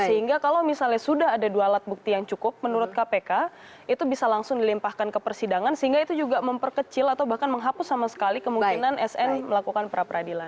sehingga kalau misalnya sudah ada dua alat bukti yang cukup menurut kpk itu bisa langsung dilimpahkan ke persidangan sehingga itu juga memperkecil atau bahkan menghapus sama sekali kemungkinan sn melakukan pra peradilan